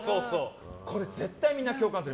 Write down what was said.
これ、絶対みんな共感する。